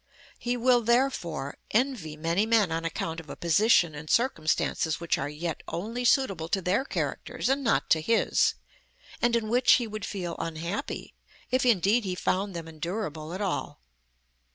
He will, therefore, envy many men on account of a position and circumstances which are yet only suitable to their characters and not to his, and in which he would feel unhappy, if indeed he found them endurable at all.